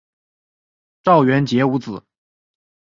赵元杰无子。